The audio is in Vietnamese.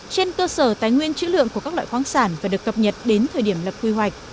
trên cơ sở tái nguyên chữ lượng của các loại khoáng sản và được cập nhật đến thời điểm lập quy hoạch